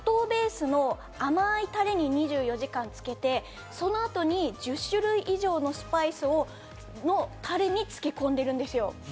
まず最初に砂糖ベースの甘いタレに２４時間漬けて、そのあとに１０種類以上のスパイスのタレに漬け込んでるんですよ。